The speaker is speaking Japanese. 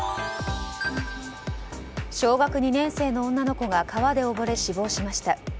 小学２年生の女の子が川で溺れ死亡しました。